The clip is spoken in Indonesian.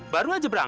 baru aja berangkat